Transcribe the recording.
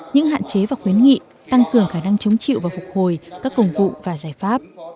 những hạn chế và khuyến nghị tăng cường khả năng chống chịu và phục hồi các công cụ và giải pháp